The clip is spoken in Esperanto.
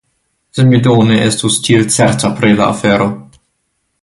Se mi do ne estus tiel certa pri la afero !